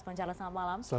bang charles selamat malam